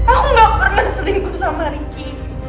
aku gak pernah selingkuh sama riki